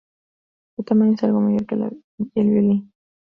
Su tamaño es algo mayor que el violín.